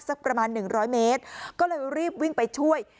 สักประมาณ๑๐๐เมตรก็เลยรีบวิ่งไปช่วย